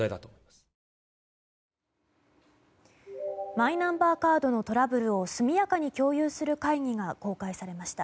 マイナンバーカードのトラブルを速やかに共有する会議が公開されました。